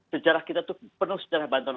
sejarah kita itu penuh sejarah bantuan